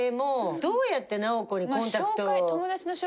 どうやって直子にコンタクトを。